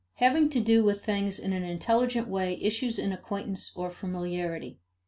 Having to do with things in an intelligent way issues in acquaintance or familiarity.